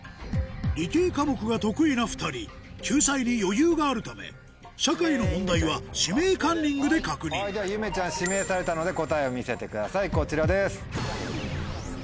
理系科目が得意な２人救済に余裕があるため社会の問題は「指名カンニング」で確認ではゆめちゃん指名されたので答えを見せてくださいこちらです。